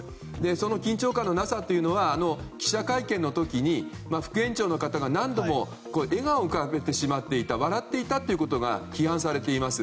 その緊張感のなさというのは記者会見の時に副園長の方が笑顔を浮かべてしまっていたことが批判されています。